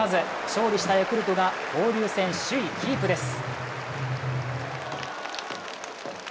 勝利したヤクルトが交流戦首位キープです。